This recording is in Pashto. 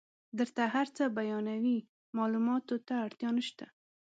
درته هر څه بیانوي معلوماتو ته اړتیا نشته.